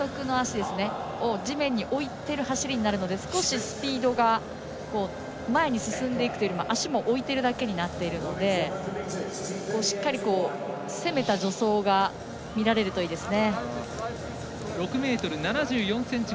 地面においている走りになるのでスピードが前に進んで足も置いているだけになっているのでしっかり攻めた助走が見られるといいですね。